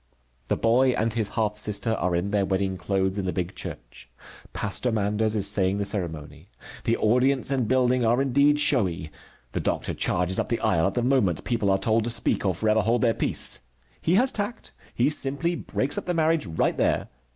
The boy and his half sister are in their wedding clothes in the big church. Pastor Manders is saying the ceremony. The audience and building are indeed showy. The doctor charges up the aisle at the moment people are told to speak or forever hold their peace. He has tact. He simply breaks up the marriage right there.